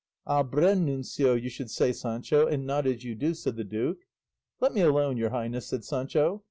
"Abrenuncio, you should say, Sancho, and not as you do," said the duke. "Let me alone, your highness," said Sancho.